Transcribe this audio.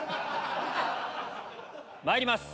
まいります